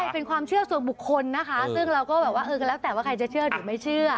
เป็นความเชื่อส่วนบุคคลนะคะซึ่งเราก็แบบว่าเออก็แล้วแต่ว่าใครจะเชื่อหรือไม่เชื่อ